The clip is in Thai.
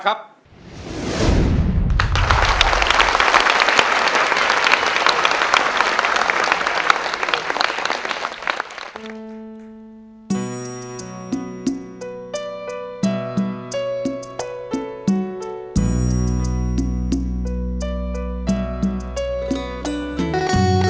กลับมาเมื่อเวลาที่สุดท้าย